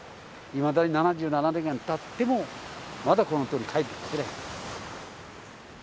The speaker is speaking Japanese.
いまだに７７年間たっても、まだこのとおり返ってきてない。